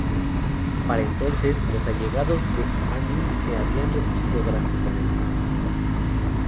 Para entonces, los allegados de Amin se habían reducido drásticamente.